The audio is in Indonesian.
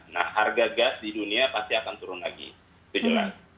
nah harga gas di dunia pasti akan turun lagi itu jelas